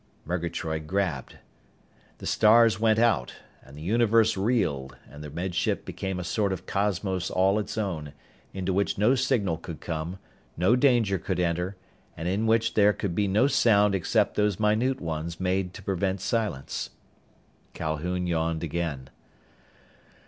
Murgatroyd grabbed. The stars went out and the universe reeled and the Med Ship became a sort of cosmos all its own, into which no signal could come, no danger could enter, and in which there could be no sound except those minute ones made to prevent silence. Calhoun yawned again.